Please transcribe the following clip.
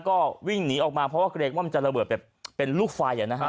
ก็วิ่งหนีออกมาเพราะว่าเกรงว่ามันจะระเบิดแบบเป็นลูกไฟนะฮะ